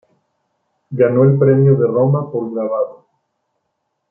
Ganó el Premio de Roma por grabado.